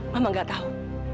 mama nggak tahu